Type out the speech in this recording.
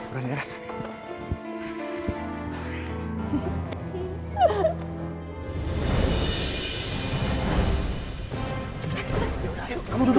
dan padahal satu aura aparat itu